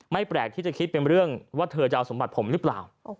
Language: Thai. แปลกที่จะคิดเป็นเรื่องว่าเธอจะเอาสมบัติผมหรือเปล่า